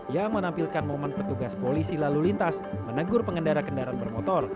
yang menampilkan momen petugas polisi lalu lintas menegur pengendara kendaraan bermotor